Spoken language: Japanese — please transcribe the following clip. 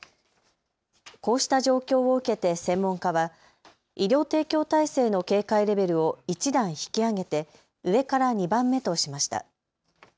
こうした状況を受けて専門家は医療提供体制の警戒レベルを１段引き上げて上から２番目としました。